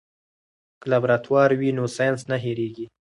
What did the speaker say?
که لابراتوار وي نو ساینس نه هېریږي.